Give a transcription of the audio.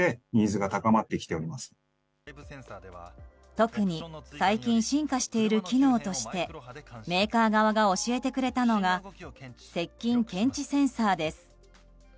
特に最近進化している機能としてメーカー側が教えてくれたのが接近検知センサーです。